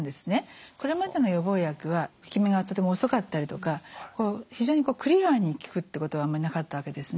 これまでの予防薬は効き目がとても遅かったりとか非常にクリアーに効くってことはあまりなかったわけですね。